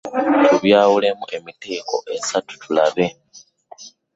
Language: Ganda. Tubyawulemu emiteeko esatu tulabe.